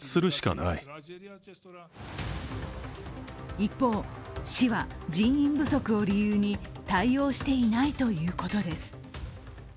一方、市は人員不足を理由に対応していないということです。